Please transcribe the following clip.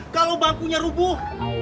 kalau bakunya rubuh